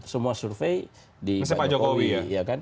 semua survei di pak jokowi